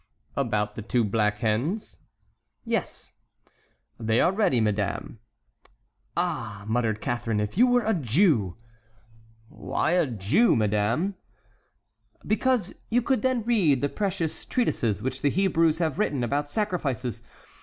"About the two black hens?" "Yes!" "They are ready, madame." "Ah," muttered Catharine, "if you were a Jew!" "Why a Jew, madame?" "Because you could then read the precious treatises which the Hebrews have written about sacrifices.